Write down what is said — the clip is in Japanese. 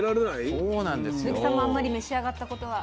鈴木さんもあんまり召し上がったことは。